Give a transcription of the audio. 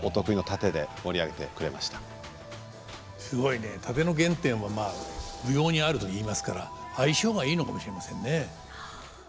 殺陣の原点はまあ舞踊にあるといいますから相性がいいのかもしれませんね。